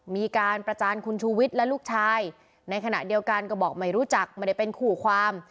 มีการประจานคุณชูวิทย์และลูกชายในขณะเดียวกันก็บอกไม่รู้จักไม่ได้เป็นขู่ความ